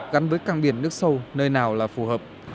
gắn với căng biển nước sâu nơi nào là phù hợp